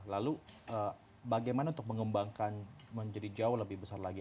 lalu bagaimana untuk mengembangkan menjadi jauh lebih besar lagi